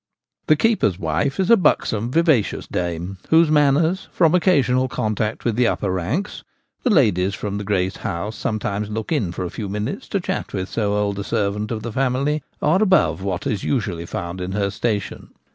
The keeper's wife is a buxom vivacious dame, whose man ners from occasional contact with the upper ranks — the ladies from the great house sometimes look in for a few minutes to chat with so old a servant of the family — are above what are usually found in her station.